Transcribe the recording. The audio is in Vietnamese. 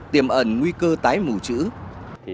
tiềm ẩn nguy cơ tái mùi